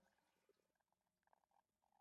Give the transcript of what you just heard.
ځینې یې وزیران شوي دي.